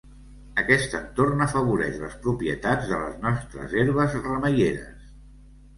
Aquest entorn afavoreix les propietats de les nostres herbes remeieres.